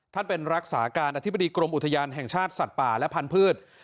เป็นรักษาการอธิบดีกรมอุทยานแห่งชาติสัตว์ป่าและพันธุ์